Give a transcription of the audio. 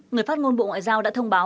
người phát ngôn bộ ngoại giao đã thông báo